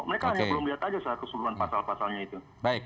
mereka hanya belum lihat saja keseluruhan pasal pasalnya itu